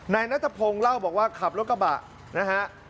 นายนัทพงศ์เล่าบอกว่าขับรถกระบะนะฮะ